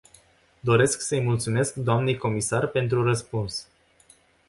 Doresc să-i mulțumesc dnei comisar pentru răspuns.